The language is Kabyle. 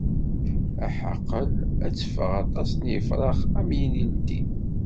Ahaqel ad d-ṭṭfeɣ aṭas n yifṛaxn, am yilindi.